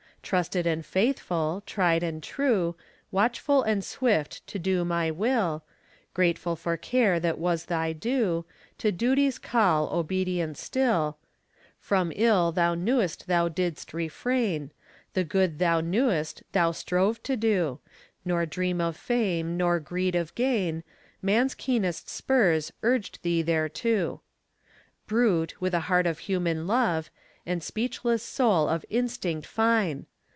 Trusted and faithful, tried and true, Watchful and swift to do my will, Grateful for care that was thy due, To duty's call obedient still, From ill thou knew'st thou didst refrain, The good thou knew'st thou strove to do, Nor dream of fame, nor greed of gain, Man's keenest spurs, urged thee thereto. Brute, with a heart of human love, And speechless soul of instinct fine!